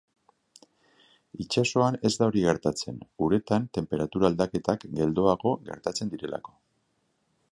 Itsasoan ez da hori gertatzen, uretan tenperatura aldaketak geldoago gertatzen direlako.